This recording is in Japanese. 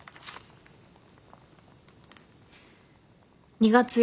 「２月４日」。